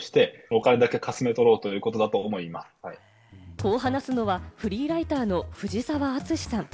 こう話すのは、フリーライターのふじさわあつしさん。